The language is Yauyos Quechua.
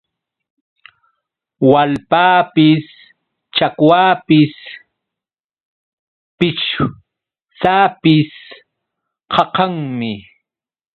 Waalpapis, chakwapis, pichwsapis qaqanmi.